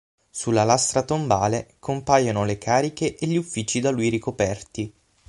Sulla lastra tombale, compaiono le cariche e gli uffici da lui ricoperti.